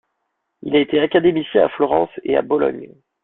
Il a été académicien à Florence et à Bologne.